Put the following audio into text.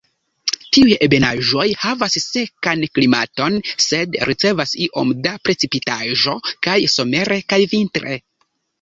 Tiuj ebenaĵoj havas sekan klimaton sed ricevas iom da precipitaĵo kaj somere kaj vintre.